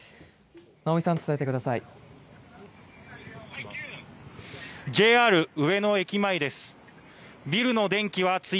直井さん、伝えてください。